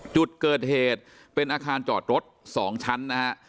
จุดเกิดเหตุเป็นอาคารจอดรถ๒ชั้นนะฮะ